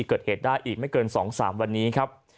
เกิดเหตุได้อีกไม่เกิน๒๓วันนี้ครับ